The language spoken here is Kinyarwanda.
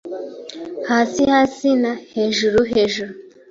Hasi, Hasi na Hejuru, Hejuru